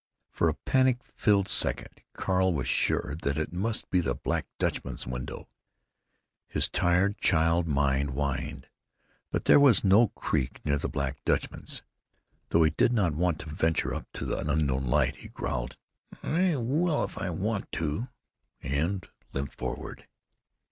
For a panic filled second Carl was sure that it must be the Black Dutchman's window. His tired child mind whined. But there was no creek near the Black Dutchman's. Though he did not want to venture up to the unknown light, he growled, "I will if I want to!" and limped forward.